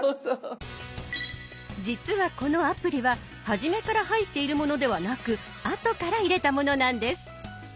実はこのアプリは初めから入っているものではなく後から入れたものなんです。